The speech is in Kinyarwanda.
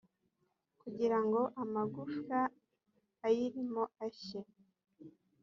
kugira ngo amagufwa ayirimo ashye